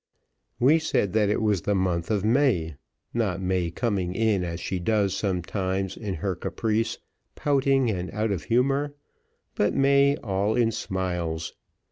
We said that it was the month of May not May coming in as she does sometimes in her caprice, pouting, and out of humour but May all in smiles.